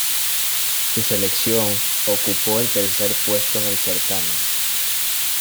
Su selección ocupó el tercer puesto en el certamen.